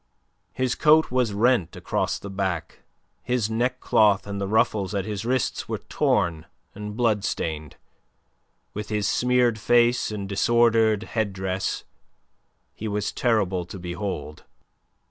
His coat was rent across the back, his neckcloth and the ruffles at his wrists were torn and bloodstained; with his smeared face and disordered headdress he was terrible to behold.